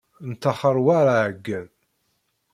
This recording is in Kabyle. Nettaxer war aɛeyyen.